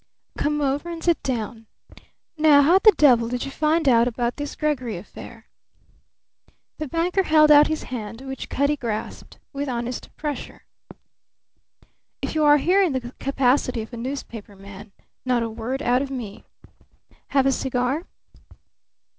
"Come over and sit down. Now, how the devil did you find out about this Gregory affair?" The banker held out his hand, which Cutty grasped with honest pressure. "If you are here in the capacity of a newspaper man, not a word out of me. Have a cigar?"